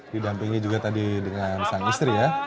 didampingi juga tadi dengan sang istri ya